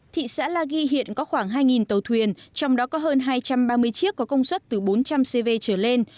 thị xã la ghi hiện có khoảng hai tàu thuyền trong đó có hơn hai trăm ba mươi chiếc có công suất từ bốn trăm linh cv trở lên